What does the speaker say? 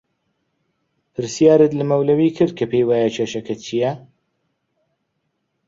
پرسیارت لە مەولەوی کرد کە پێی وایە کێشەکە چییە؟